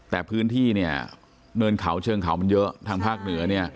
แต่พื้นที่เมืองเขาเชิงเขามันเยอะทางภาคเหนือ